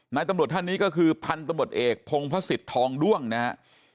ตำรวจท่านนี้ก็คือพันธมตเอกพงพระศิษย์ทองด้วงนะครับ